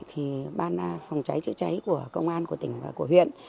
thì ban phòng cháy chữa cháy của công an của tỉnh và của huyện